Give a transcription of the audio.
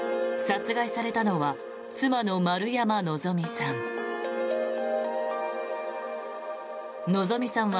殺害されたのは妻の丸山希美さん。